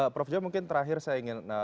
prof jo mungkin terakhir saya ingin